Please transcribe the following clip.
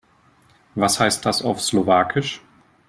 Was heißt das auf Slowakisch?